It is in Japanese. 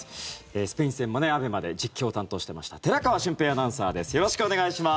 スペイン戦もＡＢＥＭＡで実況を担当してました寺川俊平アナウンサーです。